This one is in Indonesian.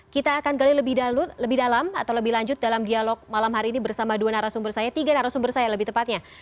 kita akan gali lebih dalam atau lebih lanjut dalam dialog malam hari ini bersama dua narasumber saya tiga narasumber saya lebih tepatnya